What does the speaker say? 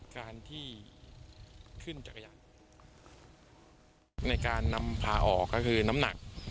การที่ขึ้นจักรยานในการนำพาออกก็คือน้ำหนัก